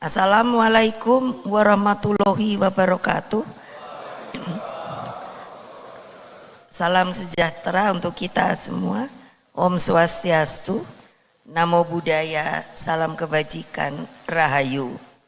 salam sejahtera untuk kita semua om swastiastu namo buddhaya salam kebajikan rahayu